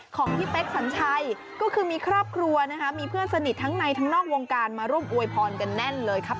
คงมีครอบครัวมีเพื่อนสนิททั้งในทั้งนอกวงการมาร่วมอวยพรกันแน่นเลยครับ